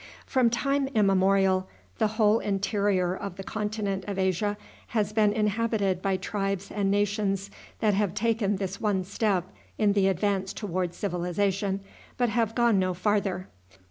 From time immemorial, the whole interior of the continent of Asia has been inhabited by tribes and nations that have taken this one step in the advance toward civilization, but have gone no farther.